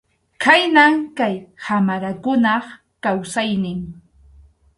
Khaynam kay qamarakunap kawsaynin.